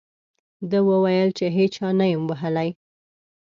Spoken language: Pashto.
ده وویل چې هېچا نه یم ووهلی.